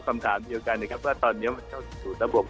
คำถามเดียวกันนะครับว่าตอนนี้มันเข้าสู่ระบบ